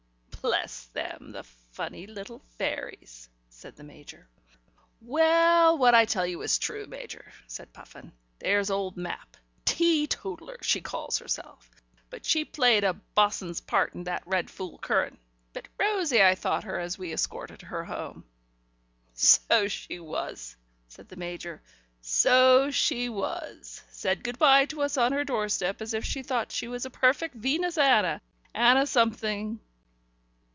"Bless them, the funny little fairies," said the Major. "Well, what I tell you is true, Major," said Puffin. "There's old Mapp. Teetotaller she calls herself, but she played a bo'sun's part in that red currant fool. Bit rosy, I thought her, as we escorted her home." "So she was," said the Major. "So she was. Said good bye to us on her doorstep as if she thought she was a perfect Venus Ana Ana something."